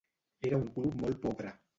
Era un club molt pobre.